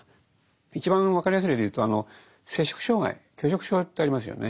一番分かりやすい例でいうと摂食障害拒食症ってありますよね。